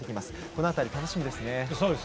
この辺り、楽しみですね。